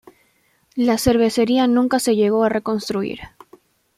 La cervecería nunca se llegó a reconstruir.